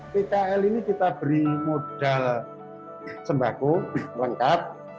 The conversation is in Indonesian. pkl ini kita beri modal sembako lengkap